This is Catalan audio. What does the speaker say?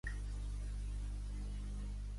Radicals proven d'atacar uns veïns de Calella